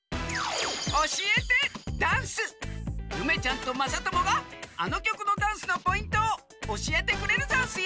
ゆめちゃんとまさともがあのきょくのダンスのポイントをおしえてくれるざんすよ！